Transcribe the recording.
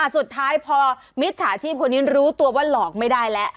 สุดท้ายพอมิจฉาชีพคนนี้รู้ตัวว่าหลอกไม่ได้แล้ว